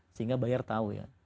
sehingga buyer tahu ya